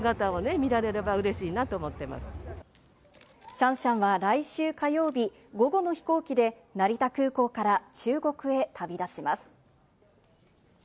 シャンシャンは来週火曜日、午後の飛行機で成田空港から中国へ旅立ちます。